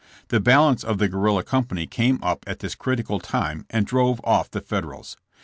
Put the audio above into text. The balance of the guerrilla company came up at this critical time and drove off the Federals.